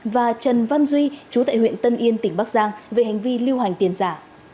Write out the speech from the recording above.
và trần văn duy chú tại huyện tân yên tỉnh bắc giang về hành vi lưu hành tiền giả